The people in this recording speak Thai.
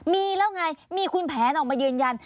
มีแล้วไงมีคุณแผนออกมายืนยัน